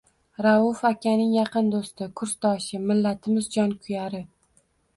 Rauf akaning yaqin do’sti, kursdoshi, millatimiz jonkuyari